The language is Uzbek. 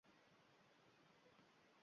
bahorlarim alvon boʼldi, yetmadim.